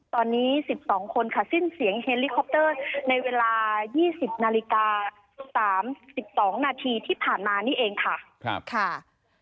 ตอนนี้๑๒คนค่ะสิ้นเสียงเฮลิคอปเตอร์ในเวลา๒๐นาฬิกา๓๒นาทีที่ผ่านมานี่เองค่ะ